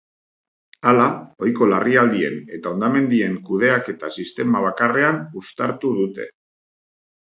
Hala, ohiko larrialdien eta hondamendien kudeaketa sistema bakarrean uztartu dute.